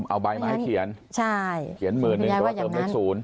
เอาใบให้เขียน